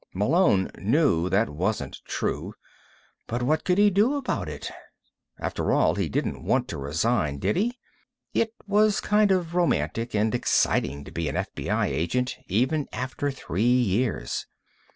Malone knew that wasn't true, but what could he do about it? After all, he didn't want to resign, did he? It was kind of romantic and exciting to be an FBI agent, even after three years.